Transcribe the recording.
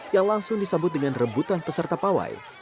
yang langsung disambut dengan rebutan peserta pawai